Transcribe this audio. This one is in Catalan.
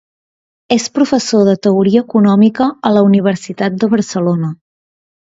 És professor de teoria econòmica a la Universitat de Barcelona.